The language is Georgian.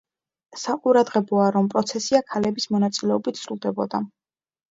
საყურადღებოა რომ პროცესია ქალების მონაწილეობით სრულდებოდა.